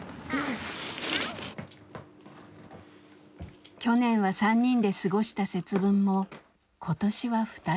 去年は３人で過ごした節分も今年はふたり。